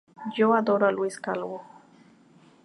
Yo adoro a Luis Calvo.